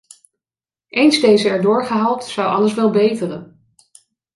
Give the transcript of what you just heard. Eens deze erdoor gehaald, zou alles wel beteren.